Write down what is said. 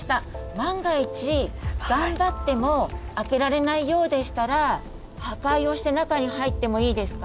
万が一頑張っても開けられないようでしたら破壊をして中に入ってもいいですか？